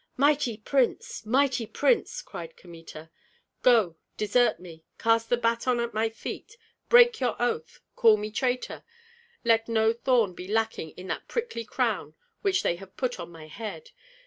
"Mighty prince, mighty prince!" cried Kmita. "Go, desert me, cast the baton at my feet, break your oath, call me traitor! Let no thorn be lacking in that prickly crown which they have put on my head.